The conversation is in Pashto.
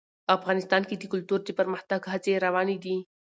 افغانستان کې د کلتور د پرمختګ هڅې روانې دي.